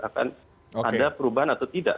akan ada perubahan atau tidak